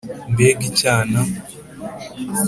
mbega icyana